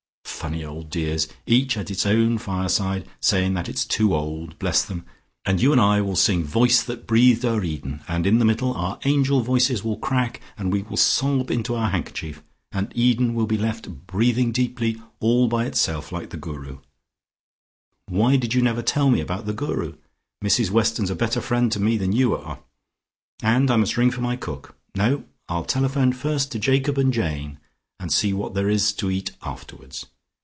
Funny old dears! Each at its own fireside, saying that it's too old, bless them! And you and I will sing 'Voice that breathed o'er Eden' and in the middle our angel voices will crack, and we will sob into our handkerchief, and Eden will be left breathing deeply all by itself like the Guru. Why did you never tell me about the Guru? Mrs Weston's a better friend to me than you are, and I must ring for my cook no I'll telephone first to Jacob and Jane and see what there is to eat afterwards.